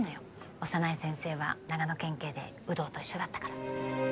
小山内先生は長野県警で有働と一緒だったから。